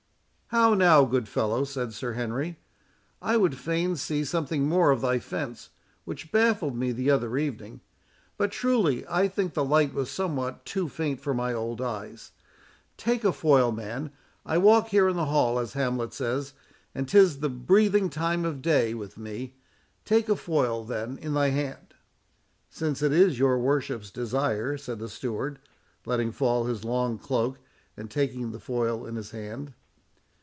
"How now, good fellow?" said Sir Henry; "I would fain see something more of thy fence, which baffled me the other evening; but truly, I think the light was somewhat too faint for my old eyes. Take a foil, man—I walk here in the hall, as Hamlet says; and 'tis the breathing time of day with me. Take a foil, then, in thy hand." "Since it is your worship's desire," said the steward, letting fall his long cloak, and taking the foil in his hand.